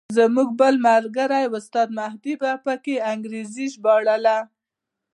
زموږ بل ملګري استاد مهدي به په انګریزي ژباړله.